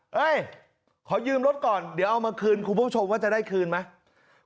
ขอยืมรถก่อนเดี๋ยวเอามาคืนคุณผู้ชมว่าจะได้คืนไหม